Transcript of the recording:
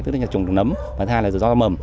tức là trồng nấm và hai là rau mầm